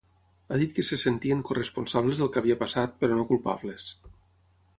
Ha dit que se sentien corresponsables del que havia passat, però no culpables.